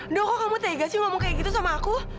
dong kok kamu tega sih ngomong kayak gitu sama aku